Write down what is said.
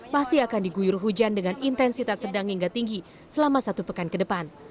masih akan diguyur hujan dengan intensitas sedang hingga tinggi selama satu pekan ke depan